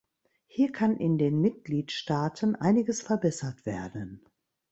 Hier kann in den Mitgliedstaaten einiges verbessert werden.